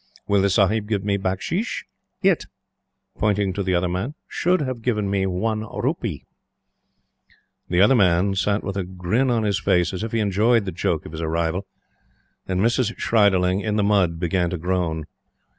Will the Sahib give me bukshish? IT," pointing to the Other Man, "should have given one rupee." The Other Man sat with a grin on his face, as if he enjoyed the joke of his arrival; and Mrs. Schreiderling, in the mud, began to groan.